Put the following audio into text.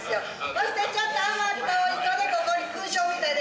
そしてちょっと余ったお色でここに勲章みたいでしょ。